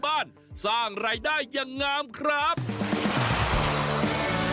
วันนี้พาลงใต้สุดไปดูวิธีของชาวปักใต้อาชีพชาวเล่น